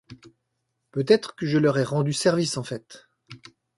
Peut-être que je leur ai rendu service, en fait.